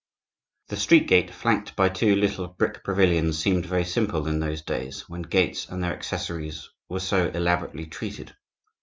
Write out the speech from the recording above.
The street gate, flanked by two little brick pavilions, seemed very simple in those days, when gates and their accessories were so elaborately treated.